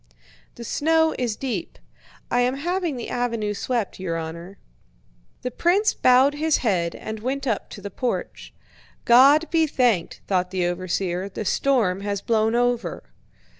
"The snow is deep. I am having the avenue swept, your honor." The prince bowed his head and went up to the porch. "God be thanked," thought the overseer, "the storm has blown over!"